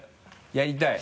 やりたい？